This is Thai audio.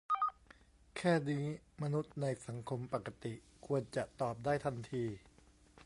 แค่นี้มนุษย์ในสังคมปกติควรจะตอบได้ทันที